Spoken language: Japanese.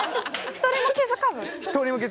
１人も気付かない。